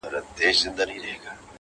چي ژوندی یم زما به یاد يې میرهاشمه